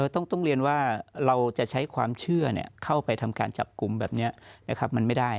ต้องเรียนว่าเราจะใช้ความเชื่อเข้าไปทำการจับกลุ่มแบบนี้มันไม่ได้